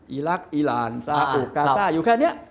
อีรักษ์อีรานซาร์บิกปอล์รกาซ่าอยู่แค่นี้